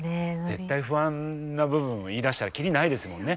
絶対不安な部分を言いだしたら切りないですもんね